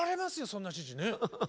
そんな指示ね。